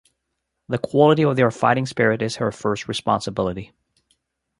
The quality of their fighting spirit is her first responsibility.